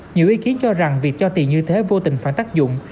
nhiều ý kiến cho rằng việc cho tiền như thế vô tình phản tác dụng